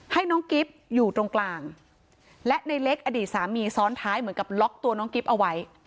ให้น้องกิ๊บอยู่ตรงกลางและในเล็กอดีตสามีซ้อนท้ายเหมือนกับล็อกตัวน้องกิ๊บเอาไว้